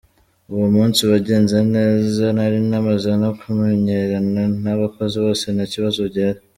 Uwo munsi wagenze neza nari namaze no kumenyerana n’abakozi bose nta kibazo gihari.